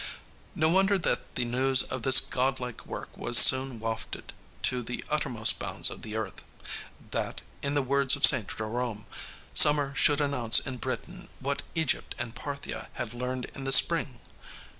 No wonder that the news of this godlike work was soon wafted to the uttermost bounds of the earth; that, in the words of St. Jerome, "summer should announce in Britain what Egypt and Parthia had learned in the spring."